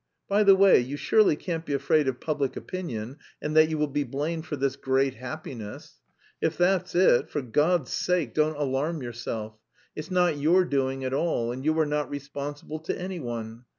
By the way, you surely can't be afraid of public opinion and that you will be blamed for this 'great happiness'? If that's it, for God's sake don't alarm yourself. It's not your doing at all and you are not responsible to anyone.